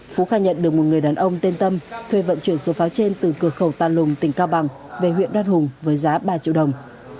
phú khai nhận được một người đàn ông tên tâm thuê vận chuyển số pháo trên từ cửa khẩu ta lùng tỉnh cao bằng về huyện đoan hùng với giá ba triệu đồng